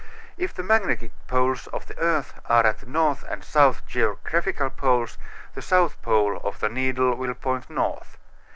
If the magnetic poles of the earth are at the north and south geographical poles, the south pole of the needle will point north.